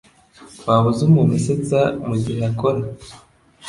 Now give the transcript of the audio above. Waba uzi umuntu usetsa mugihe akora?